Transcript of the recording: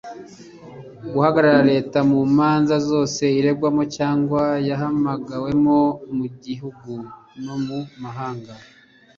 guhagararira leta mu manza zose iregwamo cyangwa yahamagawemo, mu gihugu no mu mahanga